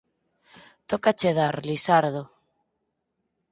Tócache dar, Lisardo.